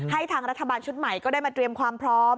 ทางรัฐบาลชุดใหม่ก็ได้มาเตรียมความพร้อม